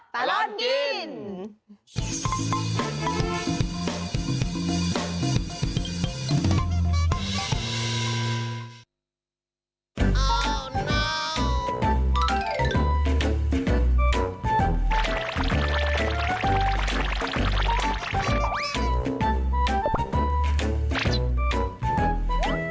ตลอดกิน